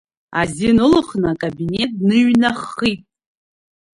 Азин ылхны, акабинет дныҩнаххит.